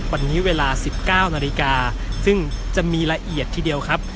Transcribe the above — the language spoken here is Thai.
วันนี้เวลา๑๙นาฬิกาซึ่งจะมีละเอียดทีเดียวครับ